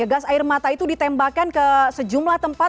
gas air mata itu ditembakkan ke sejumlah tempat